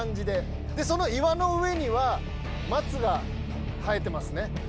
でその岩の上には松が生えてますね。